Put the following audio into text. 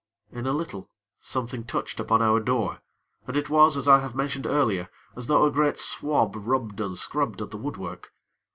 In a little, something touched upon our door, and it was, as I have mentioned earlier, as though a great swab rubbed and scrubbed at the woodwork.